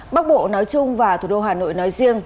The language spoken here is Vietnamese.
bắc bộ nói chung và thủ đô hà nội nói riêng